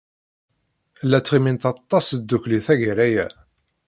La ttɣimint aṭas ddukkli tagara-a.